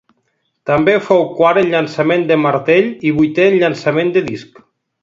També fou quart en llançament de martell i vuitè en llançament de disc.